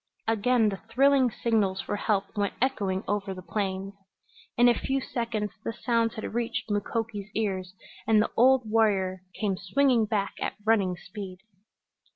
Again the thrilling signals for help went echoing over the plains. In a few seconds the sounds had reached Mukoki's ears and the old warrior came swinging back at running speed.